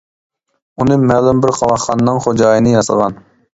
ئۇنى مەلۇم بىر قاۋاقخانىنىڭ خوجايىنى ياسىغان.